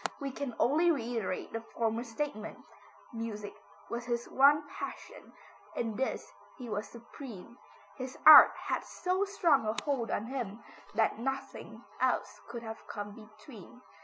We can only reiterate the former statement, music was his one passion, in this he was supreme. His art had so strong a hold on him that nothing else could come between.